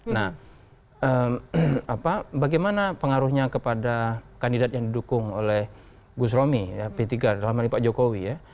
nah bagaimana pengaruhnya kepada kandidat yang didukung oleh gus romi p tiga dalam halipak jokowi